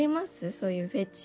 そういうフェチ？